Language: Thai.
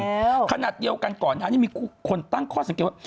ว่าขนาดเดียวกันก่อนนะมีคนตั้งข้อสังเกตว่า